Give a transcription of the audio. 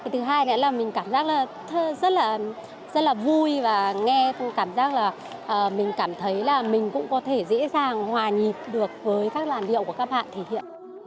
thứ hai nữa là mình cảm giác rất là vui và nghe cảm giác là mình cảm thấy là mình cũng có thể dễ dàng hòa nhịp được với các làn điệu của các bạn thể hiện